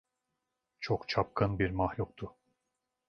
Çok çapkın bir mahluktu.